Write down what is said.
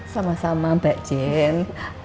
sama sama mbak jen